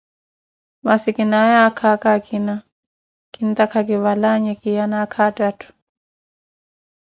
Massi khinaye akhaaka akina, kintaaka kivalanhe kiyane athaathu